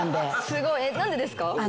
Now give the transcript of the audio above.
すごい何でですか？